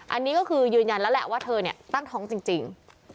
อันนี้ก็คือยืนยันแล้วแหละว่าเธอเนี่ยตั้งท้องจริง